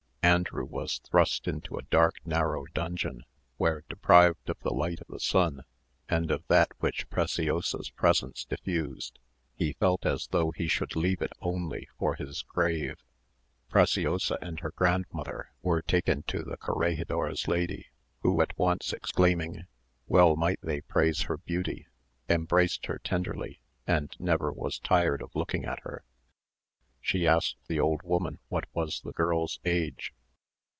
Andrew was thrust into a dark narrow dungeon, where, deprived of the light of the sun and of that which Preciosa's presence diffused, he felt as though he should leave it only for his grave. Preciosa and her grand mother were taken to the corregidor's lady, who at once exclaiming, "Well might they praise her beauty," embraced her tenderly, and never was tired of looking at her. She asked the old woman what was the girl's age.